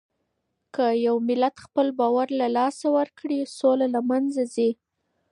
که يو ملت خپل باور له لاسه ورکړي، سوله له منځه ځي.